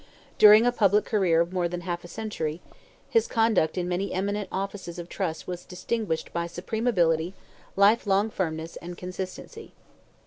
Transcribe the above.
During a public career of more than half a century his conduct in many eminent offices of trust was distinguished by supreme ability, life long firmness and consistency.